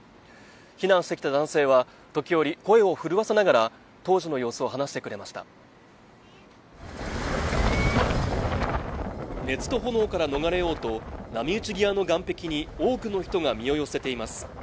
避難してきた男性は時折声を震わせながら当時の様子を話してくれました熱と炎から逃れようと波打ち際の岸壁に多くの人が身を寄せています